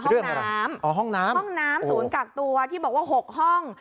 ห้องน้ำอ๋อห้องน้ำห้องน้ำศูนย์กักตัวที่บอกว่า๖ห้อง